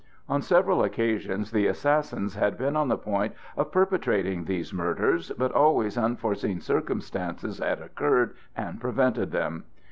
On several occasions the assassins had been on the point of perpetrating these murders, but always unforeseen circumstances had occurred and prevented them.